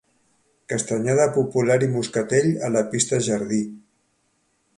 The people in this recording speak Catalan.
Castanyada popular i moscatell a la Pista Jardí.